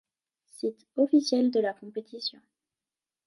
Site officiel de la compétition.